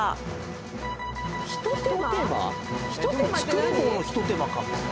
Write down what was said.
作る方の一手間かも。